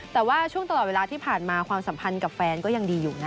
แต่ว่าช่วงตลอดเวลาที่ผ่านมาความสัมพันธ์กับแฟนก็ยังดีอยู่นะ